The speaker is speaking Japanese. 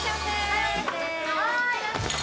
はい！